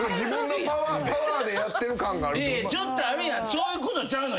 そういうことちゃうの？